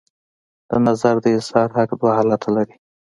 د نظر د اظهار حق دوه حالته لري.